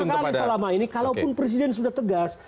karena kita mengikuti sekali selama ini kalaupun presiden sudah tegas